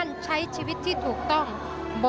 สวัสดีครับ